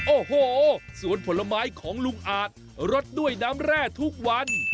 โอ้โหสวนผลไม้ของลุงอาจรสด้วยน้ำแร่ทุกวัน